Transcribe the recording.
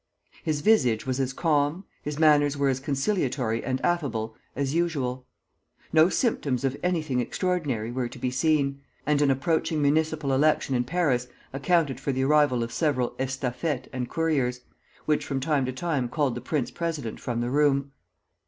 His visage was as calm, his manners were as conciliatory and affable, as usual. No symptoms of anything extraordinary were to be seen, and an approaching municipal election in Paris accounted for the arrival of several estafettes and couriers, which from time to time called the prince president from the room.